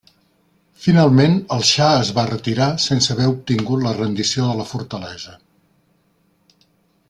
Finalment el xa es va retirar sense haver obtingut la rendició de la fortalesa.